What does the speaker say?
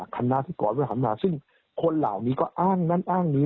คณะที่ก่อนนัตตาประหารมาซึ่งคนเหล่านี้ก็อ้างนั้นอ้างนี้